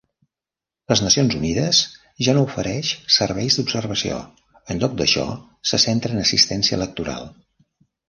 Les Nacions Unides ja no ofereix serveis d'observació. En lloc d'això, se centra en assistència electoral.